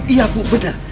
iya bu benar